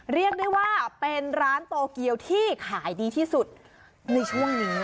เรียกได้ว่าเป็นร้านโตเกียวที่ขายดีที่สุดในช่วงนี้